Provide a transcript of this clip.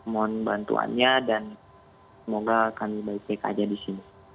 mohon bantuannya dan semoga kami baik baik aja di sini